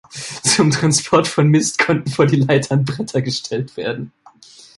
Zum Transport von Mist konnten vor die Leitern Bretter gestellt werden.